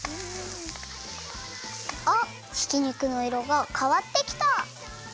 あっひき肉のいろがかわってきた！